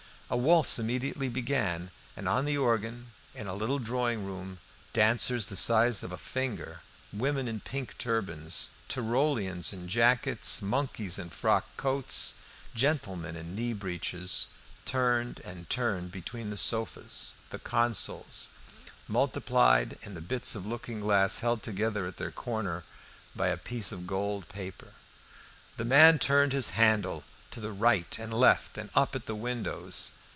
A waltz immediately began and on the organ, in a little drawing room, dancers the size of a finger, women in pink turbans, Tyrolians in jackets, monkeys in frock coats, gentlemen in knee breeches, turned and turned between the sofas, the consoles, multiplied in the bits of looking glass held together at their corners by a piece of gold paper. The man turned his handle, looking to the right and left, and up at the windows.